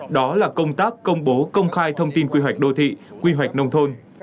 đó là công tác công bố công khai thông tin quy hoạch đô thị quy hoạch nông thôn